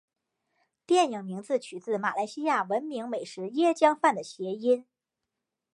电影名字取自马来西亚闻名美食椰浆饭的谐音。